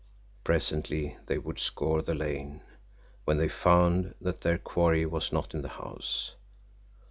Presently they would scour the lane when they found that their quarry was not in the house.